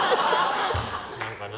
何かな